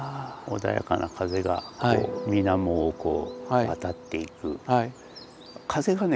穏やかな風が水面をこう渡っていく風がね